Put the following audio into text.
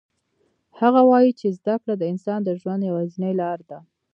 هغه وایي چې زده کړه د انسان د ژوند یوازینی لار ده